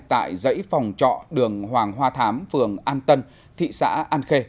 tại dãy phòng trọ đường hoàng hoa thám phường an tân thị xã an khê